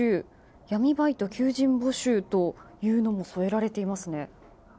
闇バイト求人募集というのも添えられていますね。